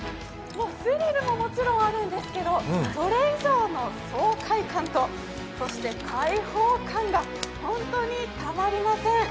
スリルももちろんあるんですけれども、それ以上の爽快感とそして開放感が本当にたまりません。